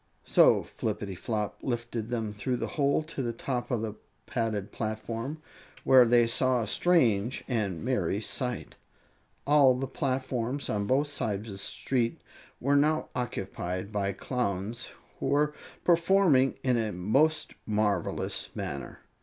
So Flippityflop lifted them through the hole to the top of the padded platform, where they saw a strange and merry sight. All the platforms on both sides of the street were now occupied by Clowns, who were performing in a most marvelous manner.